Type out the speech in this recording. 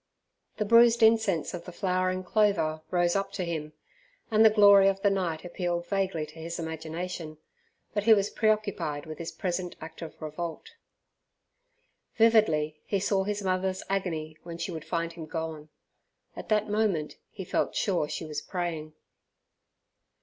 The bruised incense of the flowering clover rose up to him, and the glory of the night appealed vaguely to his imagination, but he was preoccupied with his present act of revolt. Vividly he saw his mother's agony when she would find him gone. At that moment, he felt sure, she was praying.